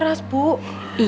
ibu kamu harus berhati hati